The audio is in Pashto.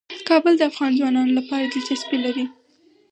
کابل د افغان ځوانانو لپاره دلچسپي لري.